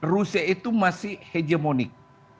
rusia itu masih hegemonik